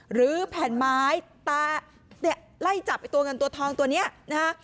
หรือแผ่นไม้ไล่จับไอ้ตัวเงินตัวทองตัวนี้นะฮะ